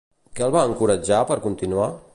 Què el va encoratjar per continuar?